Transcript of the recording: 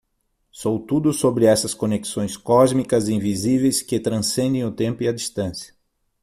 Sou tudo sobre essas conexões cósmicas invisíveis que transcendem o tempo e a distância.